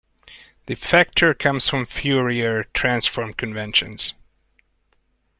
The factor comes from Fourier transform conventions.